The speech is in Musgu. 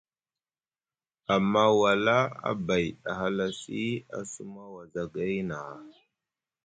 Amma wala a bay a halasi a suma wazagay nʼaha.